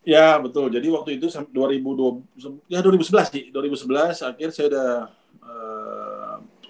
ya betul jadi waktu itu dua ribu dua belas ya dua ribu sebelas sih dua ribu sebelas akhirnya saya udah